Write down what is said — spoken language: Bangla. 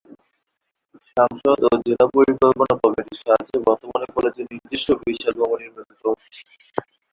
সাংসদ ও জেলা পরিকল্পনা কমিটির সাহায্যে বর্তমানে কলেজের নিজস্ব বিশাল ভবন নির্মিত হয়েছে।